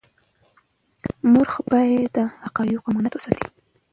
مورخ باید د حقایقو امانت وساتي.